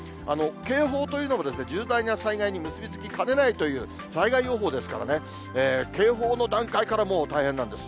警報というのも、重大な災害に結び付きかねないという災害予報ですからね、警報の段階からもう大変なんです。